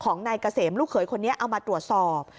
ของนายเกษมลูกเขยคนนี้เอามาตรวจสอบ